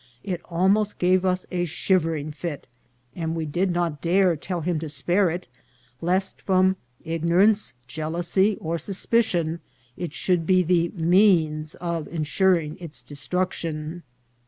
It almost gave us a shivering fit, and we did not dare tell him to spare it, lest from igno rance, jealousy, or suspicion, it should be the means of ensuring its destruction.